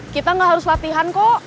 kita gak harus latihan kok